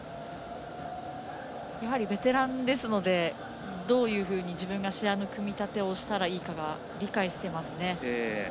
ベテランですのでどういうふうに自分が試合の組み立てをしたらいいかは理解してますね。